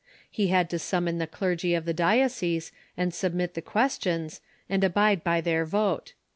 He had to sum mon the clergy of the diocese and submit the questions, and abide by their vote.